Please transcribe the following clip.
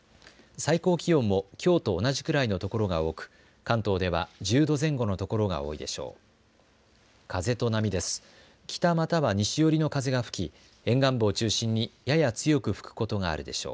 最高気温もきょうと同じくらいの所が多く関東では１０度前後の所が多いでしょう。